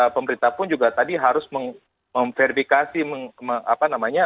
pemerintah pun juga tadi harus memverifikasi apa namanya